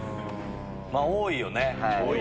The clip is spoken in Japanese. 多いよね。